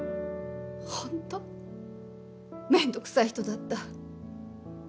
本当面倒くさい人だった。